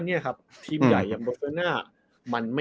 ทีมใหญ่อย่างบาศิกยา